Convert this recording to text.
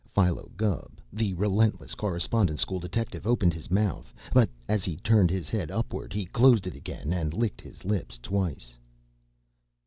Philo Gubb, the relentless Correspondence School detective, opened his mouth, but as he turned his head upward, he closed it again and licked his lips twice.